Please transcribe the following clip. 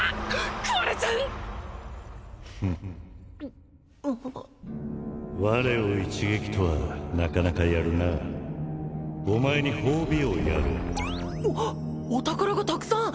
食われちゃうフフッ我を一撃とはなかなかやるなお前に褒美をやろううわっお宝がたくさん！